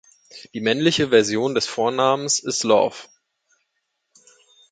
Die männliche Version des Vornamens ist Love.